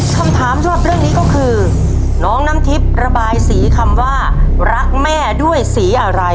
คำถามสำหรับเรื่องนี้ก็คือน้องน้ำทิพย์ระบายสีคำว่ารักแม่ด้วยสีอะไร